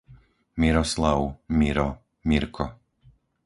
Miroslav, Miro, Mirko